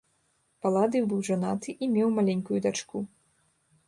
Паладый быў жанаты і меў маленькую дачку.